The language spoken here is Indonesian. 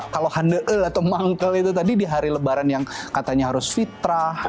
kalau handeel atau mangkle itu tadi di hari lebaran yang katanya harus fitrah